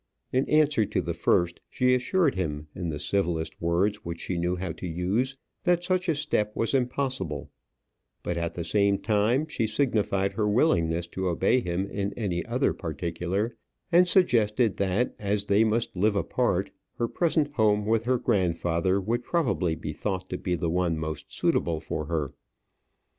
In answer to the first, she assured him, in the civilest words which she knew how to use, that such a step was impossible; but, at the same time, she signified her willingness to obey him in any other particular, and suggested that as they must live apart, her present home with her grandfather would probably be thought to be the one most suitable for her.